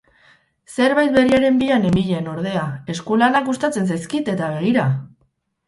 Zerbai berriaren bila nenbilen, ordea, eskulanak gustatzen zaizkit eta begira!